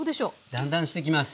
だんだんしてきます。